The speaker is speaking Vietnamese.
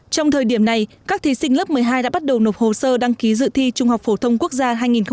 trong thời điểm này các thí sinh lớp một mươi hai đã bắt đầu nộp hồ sơ đăng ký dự thi trung học phổ thông quốc gia hai nghìn hai mươi